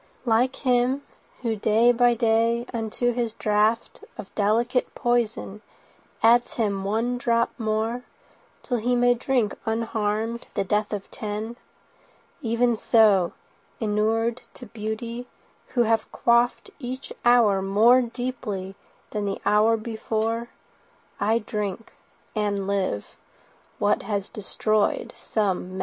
Like him who day by day unto his draughtOf delicate poison adds him one drop moreTill he may drink unharmed the death of ten, Even so, inured to beauty, who have quaffedEach hour more deeply than the hour before,I drink—and live—what has destroyed some men.